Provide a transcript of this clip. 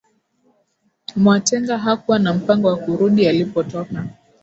mwatenga hakuwa na mpango wa kurudi alipotoka